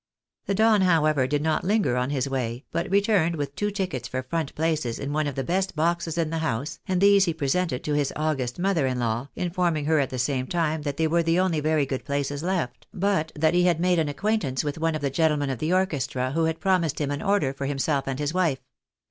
The Don, however, did not linger on his way, but returned with two tickets for front places in one of the best boxes in the house ; and these he presented to his august mother in law, informing her at the same time that they were the only very good places left, but that he had made an acquaintance with one of the gentlemen of the orchestra who had promised him an order for himself and his \wife.